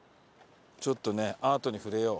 ちょっとねアートに触れよう。